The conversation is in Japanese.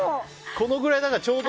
このくらいちょうど。